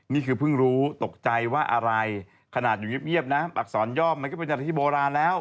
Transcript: นี่คือเพิ่งรู้ตกใจว่าอะไรขนาดอยู่เงียบนะอักษรย่อมมันก็เป็นอะไรที่โบราณแล้ว